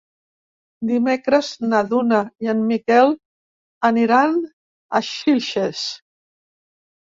Dimecres na Duna i en Miquel aniran a Xilxes.